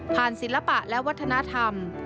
ศิลปะและวัฒนธรรม